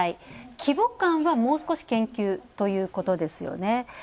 規模感はもう少し研究ということですよね。